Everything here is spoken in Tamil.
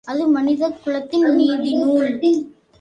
அது மனித குலத்தின் நீதி நூல்.